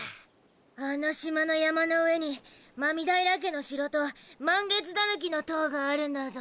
あの島の山の上に狸平家の城と満月狸の塔があるんだゾ。